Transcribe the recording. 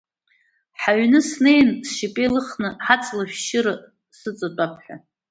Ҳаҩны снеины, сшьапы еилыхны, ҳаҵла ашәшьыра сныҵатәап ҳәа.